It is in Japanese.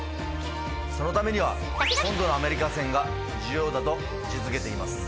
そのためには今度のアメリカ戦が重要だと位置付けています。